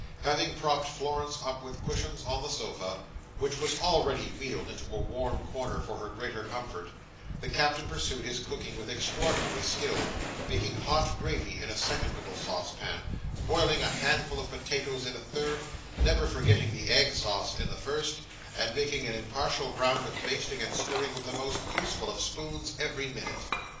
Having propped Florence up with cushions on the sofa, which was already wheeled into a warm corner for her greater comfort, the Captain pursued his cooking with extraordinary skill, making hot gravy in a second little saucepan, boiling a handful of potatoes in a third, never forgetting the egg sauce in the first, and making an impartial round of basting and stirring with the most useful of spoons every minute.